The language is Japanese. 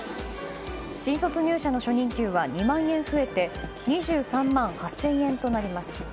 新卒入社の初任給は２万円増えて２３万８０００円となります。